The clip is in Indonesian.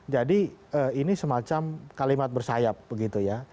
jadi ini semacam kalimat bersayap begitu ya